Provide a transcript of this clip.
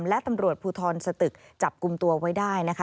และตำรวจภูทรสตึกจับกลุ่มตัวไว้ได้นะคะ